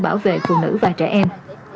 bảo vệ phụ nữ và trẻ em